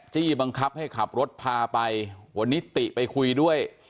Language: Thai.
จี้บังคับให้ขับรถพาไปวันนี้ติไปคุยด้วย